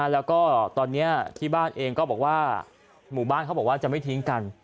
แล้วก็ตอนนี้ที่บ้านเองก็บอกว่าหมู่บ้านเขาบอกว่าจะไม่ทิ้งกัน